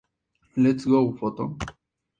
Let's Go, Photo!